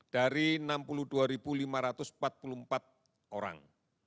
dari enam puluh dua lima ratus empat puluh empat orang